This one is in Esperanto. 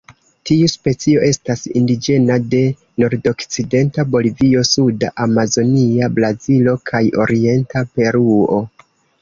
Tiu specio estas indiĝena de nordokcidenta Bolivio, suda Amazonia Brazilo kaj orienta Peruo.